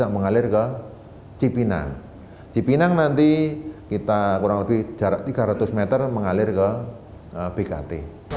mengalir ke bkt